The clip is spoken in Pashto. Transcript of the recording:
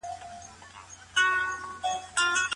خوله بد بویه مه پریږدئ.